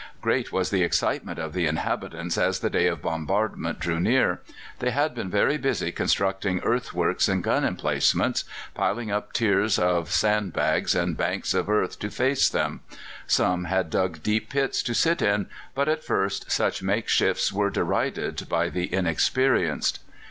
Great was the excitement of the inhabitants as the day of bombardment drew near. They had been very busy constructing earthworks and gun emplacements, piling up tiers of sand bags and banks of earth to face them; some had dug deep pits to sit in, but at first such makeshifts were derided by the inexperienced.